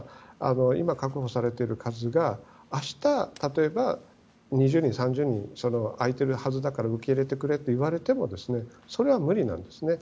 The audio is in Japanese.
そうは言っても今確保されている数が明日、例えば２０人、３０人空いているはずだから受け入れてくれと言われてもそれは無理なんです。